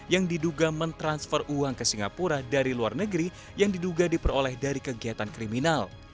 yang diduga mentransfer uang ke singapura dari luar negeri yang diduga diperoleh dari kegiatan kriminal